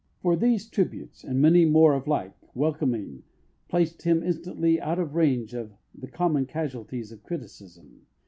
For these tributes, and many more of like welcoming, placed him instantly out of range of the common casualties of criticism.